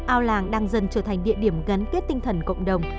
ao làng đang dần trở thành địa điểm gắn kết tinh thần cộng đồng